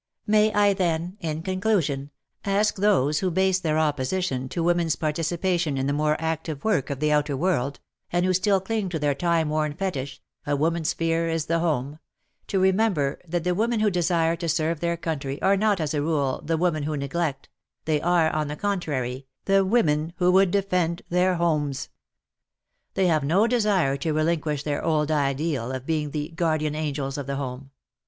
May I then, in conclusion, ask those who base their opposition to woman's participation in the more active work of the outer world, and who WAR AND WOMEN 239 still cling to their time worn fetish "a woman's sphere is the home," to remember that the women who desire to serve their country are not, as a rule, the women who neglect — they are, on the contrary, the women who would defend their homes. They have no desire to relinquish their old ideal of being the guardian angels" of the home.